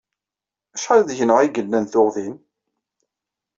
Acḥal deg-neɣ i yellan tuɣ din?